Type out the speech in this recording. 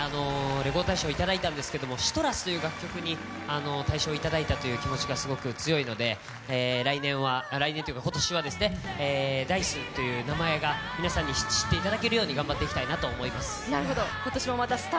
「レコード大賞」をいただいたんですけど「ＣＩＴＲＵＳ」という楽曲に大賞をいただいたという気持ちがすごく強いので今年は、Ｄａ−ｉＣＥという名前が皆さんに知っていただけるように頑張っていきたいなと思います。